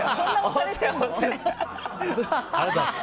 ありがとうございます。